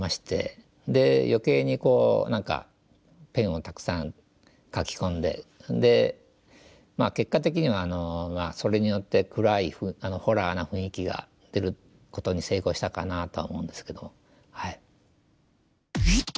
で余計にこう何かペンをたくさん描き込んでで結果的にはそれによって暗いホラーな雰囲気が出ることに成功したかなとは思うんですけど。